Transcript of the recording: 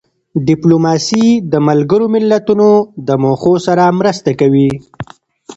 ډیپلوماسي د ملګرو ملتونو د موخو سره مرسته کوي.